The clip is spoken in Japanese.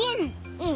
うん。